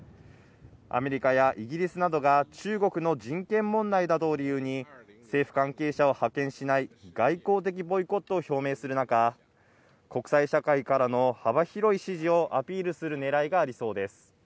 アメリカやイギリスなどが中国の人権問題などを理由に政府関係者を派遣しない外交的ボイコットを表明する中、国際社会からの幅広い支持をアピールするねらいがありそうです。